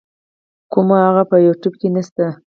کوومه هغه په یو يټیوب کی نسته.